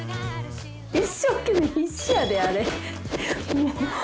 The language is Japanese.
一生懸命必死やであれ。